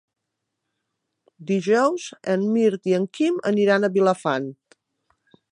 Dijous en Mirt i en Quim aniran a Vilafant.